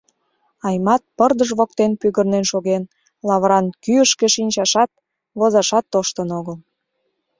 Аймат пырдыж воктен пӱгырнен шоген, лавыран кӱышкӧ шинчашат, возашат тоштын огыл.